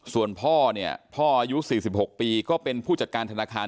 ส่วนพ่อเนี่ยพ่ออายุ๔๖ปีก็เป็นผู้จัดการธนาคาร